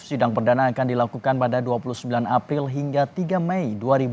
sidang perdana akan dilakukan pada dua puluh sembilan april hingga tiga mei dua ribu dua puluh